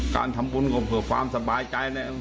การทำบุญเพื่อความสบายใจ